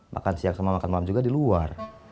makan siang sama makan malam juga di luar